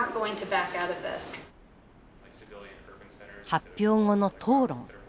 発表後の討論。